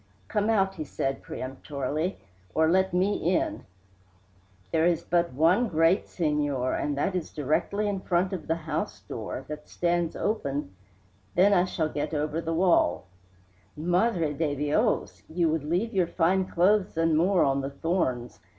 "Come out," he said peremptorily, "or let me in." "There is but one gate, senor, and that is directly in front of the house door, that stands open " "Then I shall get over the wall " "Madre de Dios! You would leave your fine clothes and more on the thorns.